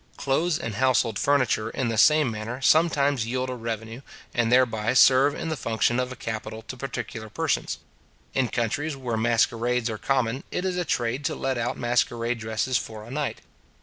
Clothes and household furniture, in the same manner, sometimes yield a revenue, and thereby serve in the function of a capital to particular persons. In countries where masquerades are common, it is a trade to let out masquerade dresses for a night.